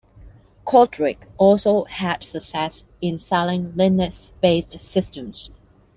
Quadrics also had success in selling Linux based systems.